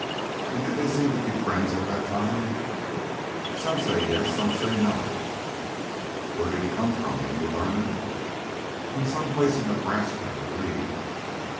"Humph! And did they seem to be friends at that time?" "Some say Yes, some say No." "Where did he come from have you learned?" "From some place in Nebraska, I believe."